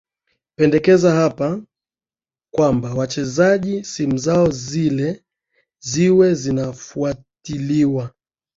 pendekeza hapa kwamba wachezaji simu zao zile ziwezinafwatiliwa